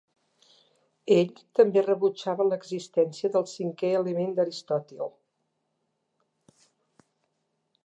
Ell també rebutjava l'existència del cinquè element d'Aristòtil.